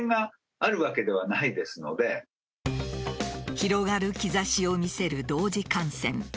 広がる兆しを見せる同時感染。